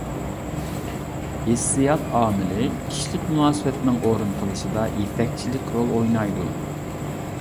ھېسسىيات ئامىلى كىشىلىك مۇناسىۋەتنىڭ ئورنىتىلىشىدا يېتەكچىلىك رول ئوينايدۇ.